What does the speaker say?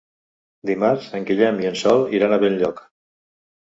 Dimarts en Guillem i en Sol iran a Benlloc.